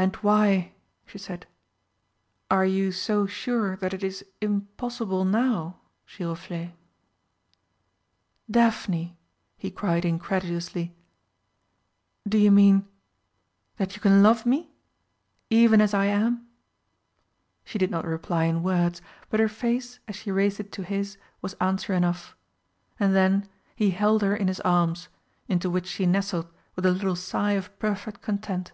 "And why," she said, "are you so sure that it is impossible now, Giroflé?" "Daphne," he cried incredulously, "do you mean that you can love me even as I am?" She did not reply in words, but her face as she raised it to his was answer enough; and then he held her in his arms, into which she nestled with a little sigh of perfect content.